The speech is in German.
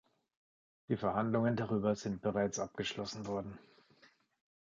Die Verhandlungen darüber sind bereits abgeschlossen worden.